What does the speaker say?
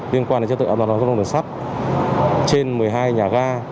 liên quan đến chất tượng an toàn thuộc tuyến đường sát trên một mươi hai nhà ga